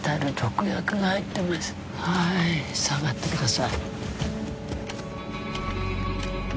はい下がってください。